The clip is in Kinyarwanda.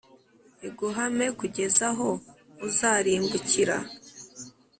iguhame kugeza aho uzarimbukira.